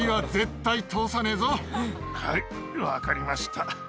でも、はい、分かりました。